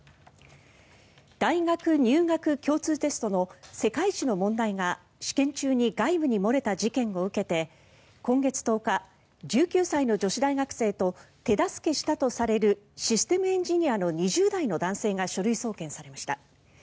大学入学共通テストの世界史の問題が試験中に外部に漏れた事件を受けて今月１０日１９歳の女子大学生と手助けしたとされるシステムエンジニアの２０代の男性が書類送検されました。